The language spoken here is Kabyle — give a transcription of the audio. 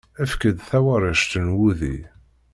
Efk-d tawarect n wudi.